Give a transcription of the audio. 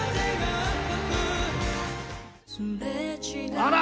あら！